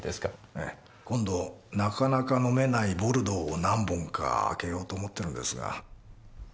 ええ。今度なかなか飲めないボルドーを何本か開けようと思ってるんですが。